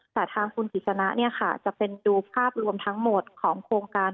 แต่ทางคุณกิจสนะจะเป็นดูภาพรวมทั้งหมดของโครงการ